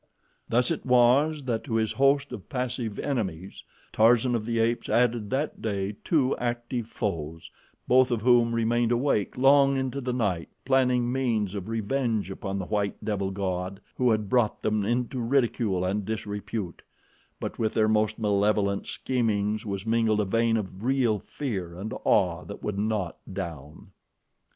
Thus it was that to his host of passive enemies, Tarzan of the Apes added that day two active foes, both of whom remained awake long into the night planning means of revenge upon the white devil god who had brought them into ridicule and disrepute, but with their most malevolent schemings was mingled a vein of real fear and awe that would not down.